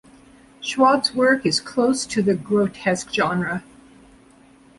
Schwab's work is close to the grotesque genre.